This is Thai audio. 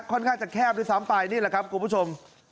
ค่อนข้างจะแคบด้วยซ้ำไปนี่แหละครับคุณผู้ชม